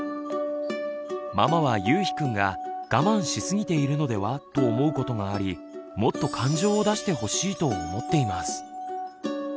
ママはゆうひくんが我慢しすぎているのではと思うことがありもっと感情を出してほしいと思っています。